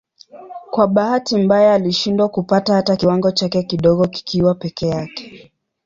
Kwa bahati mbaya alishindwa kupata hata kiwango chake kidogo kikiwa peke yake.